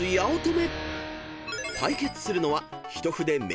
［対決するのは］